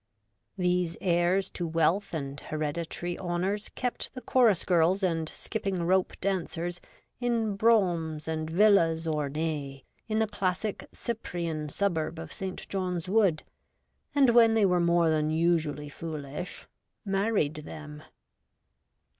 These heirs to wealth and hereditary honours kept the chorus girls and skipping rope dancers in broughams and villas orn('es in the classic Cyprian suburb of St. John's Wood, and, when they were more than usually foolish, married them.